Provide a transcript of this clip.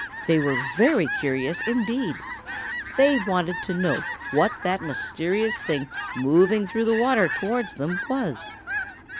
They were very curious indeed. They wanted to find out what that mysterious thing moving through the water towards them was.